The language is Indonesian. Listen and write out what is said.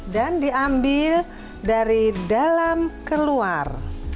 dan diambil dari dalam keluar